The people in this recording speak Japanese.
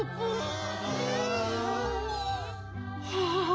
ああ。